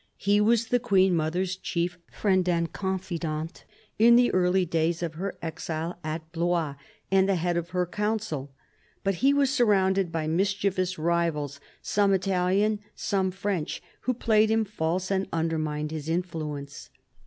He was the Queen mother's chief friend and confidant in the early days of her exile at Blois, and the head of her council, but he was surrounded by mischievous rivals, some Italian, some French, who played him false and undermined his influence.